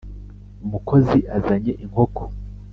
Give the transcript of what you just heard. umukozi azanye inkoko,